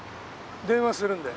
電話するんで。